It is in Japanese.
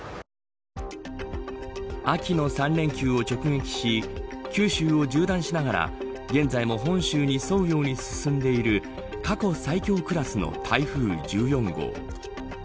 秋の３連休を直撃し九州を縦断しながら現在も本州に沿うように進んでいる過去最強クラスの台風１４号。